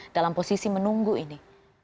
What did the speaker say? dalam posisi menunggu ini